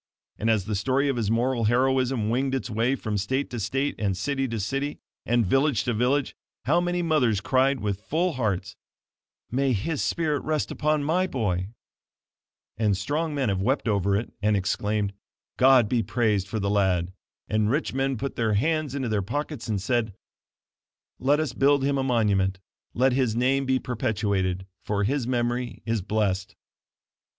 And as the story of his moral heroism winged its way from state to state, and city to city, and village to village, how many mothers cried with full hearts: "May his spirit rest upon my boy!" And strong men have wept over it and exclaimed: "God be praised for the lad!" And rich men put their hands into their pockets and said, "Let us build him a monument; let his name be perpetuated, for his memory is blessed."